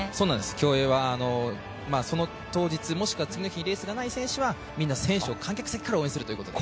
競泳は当日もしくは次の日レースがない選手はみんな選手を観客席から応援するということで。